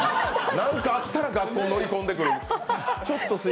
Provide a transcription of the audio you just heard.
なんかあったら学校乗り込んでくる。